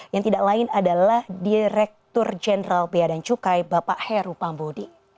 yang tidak lain adalah direktur jenderal beadan cukai bapak heru pambodi